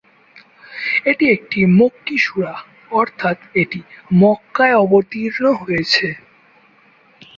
এটি একটি মক্কী সূরা অর্থ্যাৎ এটি মক্কায় অবতীর্ণ হয়েছে।